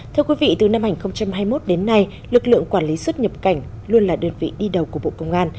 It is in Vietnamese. thưa quý vị từ năm hai nghìn hai mươi một đến nay lực lượng quản lý xuất nhập cảnh luôn là đơn vị đi đầu của bộ công an